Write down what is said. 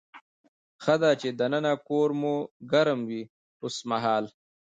ښه ده چې دننه کور مو ګرم وي اوسمهال.